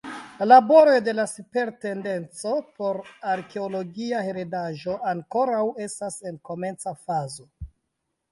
La laboroj de la Superintendenco por Arkeologia Heredaĵo ankoraŭ estas en komenca fazo.